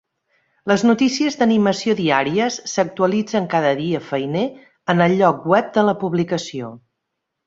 Les notícies d'animació diàries s'actualitzen cada dia feiner en el lloc web de la publicació.